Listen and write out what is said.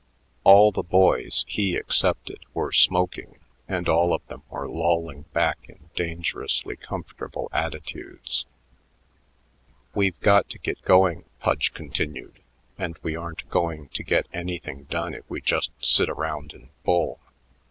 All the boys, he excepted, were smoking, and all of them were lolling back in dangerously comfortable attitudes. "We've got to get going," Pudge continued, "and we aren't going to get anything done if we just sit around and bull.